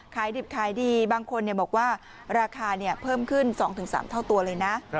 ดิบขายดีบางคนบอกว่าราคาเพิ่มขึ้น๒๓เท่าตัวเลยนะ